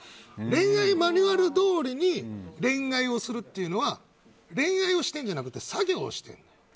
恋愛マニュアルどおりに恋愛をするっていうのは恋愛をしているんじゃなくて作業をしているの。